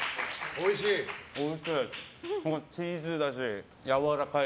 おいしい。